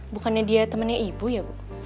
bukannya dia temannya ibu ya bu